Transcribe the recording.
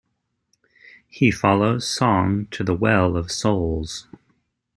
He follows Song to the Well of Souls.